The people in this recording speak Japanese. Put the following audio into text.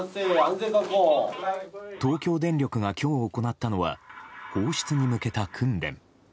東京電力が今日行ったのは放出に向けた訓練。